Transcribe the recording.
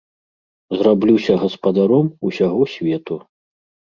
Зраблюся гаспадаром усяго свету.